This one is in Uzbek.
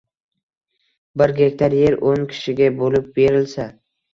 Bir gektar yer o‘n kishiga bo‘lib berilsa